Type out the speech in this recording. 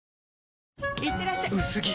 いってらっしゃ薄着！